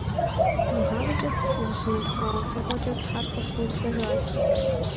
ИгъащӀэкӀэ сызыщымыгугъа фӀыгъуэкӀэ Тхьэр къысхуэупсэжащ.